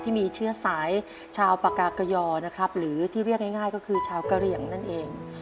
ที่มีเชื้อสายชาวปากากยอนะครับหรือที่เรียกง่ายก็คือชาวกะเหลี่ยงนั่นเอง